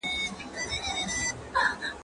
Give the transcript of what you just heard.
زه سبا لپاره پلان جوړ کړی دی.